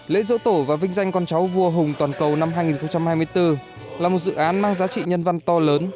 lễ dỗ tổ và vinh danh con cháu vua hùng toàn cầu năm hai nghìn hai mươi bốn là một dự án mang giá trị nhân văn to lớn